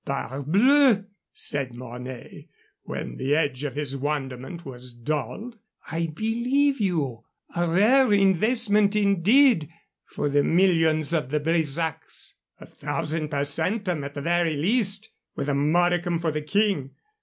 "Parbleu!" said Mornay, when the edge of his wonderment was dulled. "I believe you. A rare investment, indeed, for the millions of the Bresacs." "A thousand per centum at the very least, with a modicum for the King.